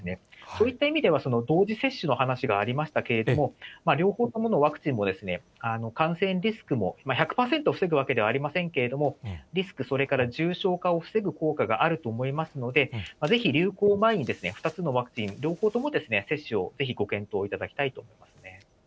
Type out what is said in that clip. そういった意味では、同時接種の話がありましたけれども、両方とものワクチンも、感染リスクも、１００％防ぐわけではありませんけれども、リスク、それから重症化を防ぐ効果があると思いますので、ぜひ流行前に、２つのワクチン、両方とも接種をぜひ、ご検討いただきたいと思い